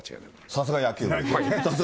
さすが野球部。